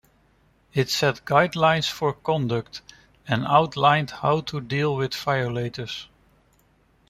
It set guidelines for conduct and outlined how to deal with violators.